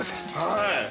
◆はい。